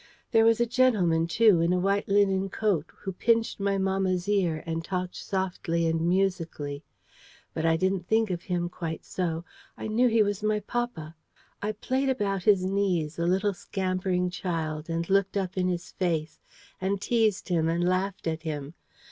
There was a gentleman, too, in a white linen coat, who pinched my mamma's ear, and talked softly and musically. But I didn't think of him quite so: I knew he was my papa: I played about his knees, a little scampering child, and looked up in his face, and teased him and laughed at him.